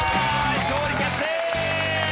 勝利決定！